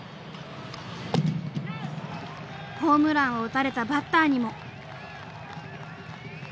ホームランを打たれたバッターにも！